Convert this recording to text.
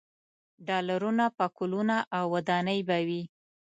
ډالرونه، پکولونه او ودانۍ به وي.